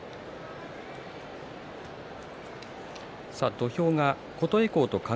土俵が琴恵光と輝。